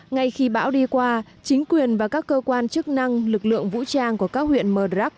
ngay khi bão đi qua chính quyền và các cơ quan chức năng lực lượng vũ trang của các huyện mờ rắc